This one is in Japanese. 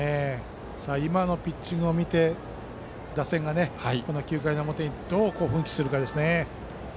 今のピッチングを見て打線がこの９回の表にどう奮起するかですね。